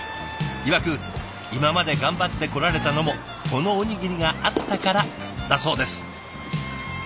いわく「今まで頑張ってこられたのもこのおにぎりがあったから」だそうです。